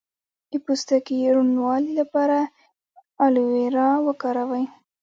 د پوستکي روڼوالي لپاره ایلوویرا وکاروئ